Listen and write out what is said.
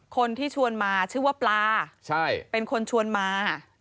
คนที่ชวนมาชื่อว่าปลาเป็นคนชวนมา